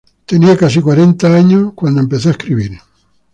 Tenía casi cuarenta años cuando empezó a escribir.